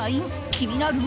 気になる？